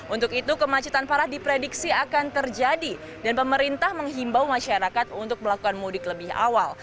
untuk itu kemacetan parah diprediksi akan terjadi dan pemerintah menghimbau masyarakat untuk melakukan mudik lebih awal